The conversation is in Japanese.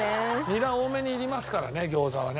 ニラ多めにいりますからね餃子はね。